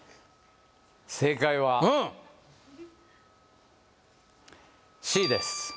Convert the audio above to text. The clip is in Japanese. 正解はＣです